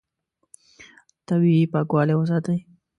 طبیعي پاکوالی وساتئ.